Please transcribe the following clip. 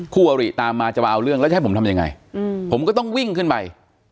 คู่อริตามมาจะมาเอาเรื่องแล้วจะให้ผมทำยังไงผมก็ต้องวิ่งขึ้นไป